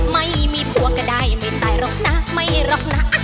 ไม่มีผัวก็ได้ไม่ตายหรอกนะไม่หรอกนะ